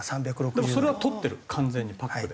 でもそれは取ってる完全にパックで。